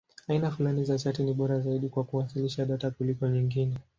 Aina fulani za chati ni bora zaidi kwa kuwasilisha data kuliko nyingine.